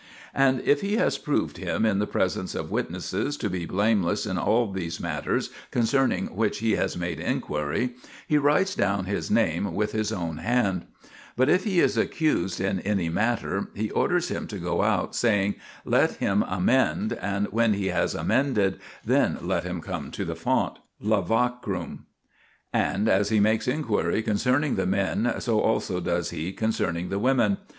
It js difficult to decide whether this means "the various more THE PILGRIMAGE OF ETHERIA 91 has proved him in the presence of witnesses to be blameless in all these matters concerning which he has made inquiry, he writes down his name with his own hand. But if he is accused in any matter, he orders him to go out, saying :" Let him amend, and when he has amended then let him come to the font (lavacrum}." And as he makes inquiry con cerning the men, so also does he concerning the women.